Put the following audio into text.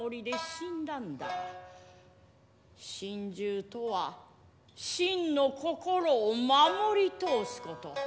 心中とは真の心を守り通すこと。